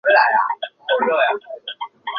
他其后接着在伦敦戏剧中心训练了三年。